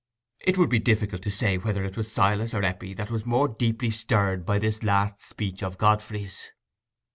It would be difficult to say whether it were Silas or Eppie that was more deeply stirred by this last speech of Godfrey's.